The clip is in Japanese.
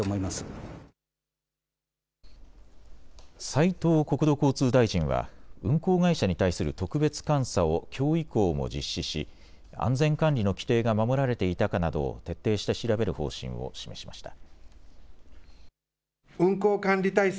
斉藤国土交通大臣は運航会社に対する特別監査をきょう以降も実施し安全管理の規程が守られていたかなどを徹底して調べる方針を示しました。